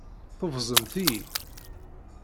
Tubẓemt-iyi.